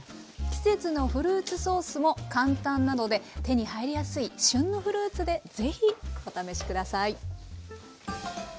季節のフルーツソースも簡単なので手に入りやすい旬のフルーツで是非お試し下さい。